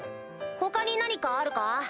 他に何かあるか？